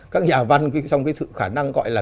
các nhà văn trong cái sự khả năng gọi là